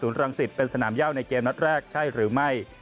รังสิตเป็นสนามย่าวในเกมนัดแรกใช่หรือไม่